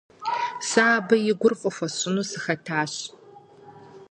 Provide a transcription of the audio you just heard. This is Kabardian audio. Сэ абы и гур фӀы хуэсщӀыну сыхэтащ.